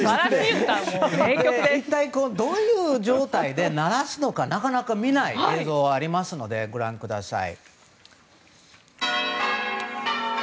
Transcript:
一体、どういう状態で鳴らすのかなかなか見ない映像がありますのでご覧ください。